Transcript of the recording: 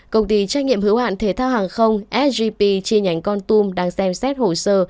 công ty trách nhiệm hữu hạn thể thao hàng không sgp chi nhánh con tum đang xem xét hồ sơ